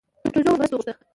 جوجو ورڅخه مرسته وغوښته